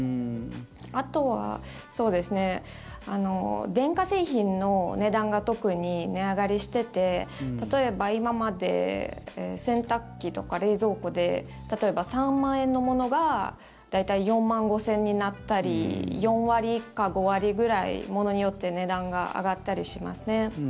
あとは電化製品の値段が特に値上がりしてて例えば今まで洗濯機とか冷蔵庫で例えば３万円のものが大体４万５０００円になったり４割か５割ぐらい、物によって値段が上がったりしますね。